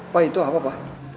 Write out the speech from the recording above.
pak itu apa pak